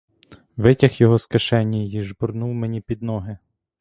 Витяг його з кишені й жбурнув мені під ноги.